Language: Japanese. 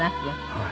はい。